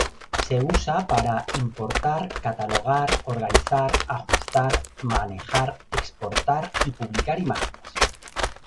Se usa para importar, catalogar, organizar, ajustar, manejar, exportar y publicar imágenes.